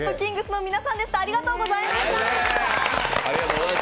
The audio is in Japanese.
ｓ＊＊ｔｋｉｎｇｚの皆さんでしたありがとうございました。